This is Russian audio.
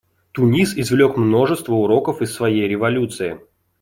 Тунис извлек множество уроков из своей революции.